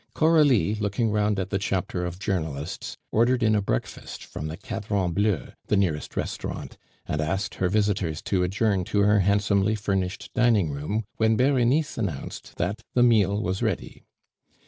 Coralie, looking round at the chapter of journalists, ordered in a breakfast from the Cadran bleu, the nearest restaurant, and asked her visitors to adjourn to her handsomely furnished dining room when Berenice announced that the meal was ready.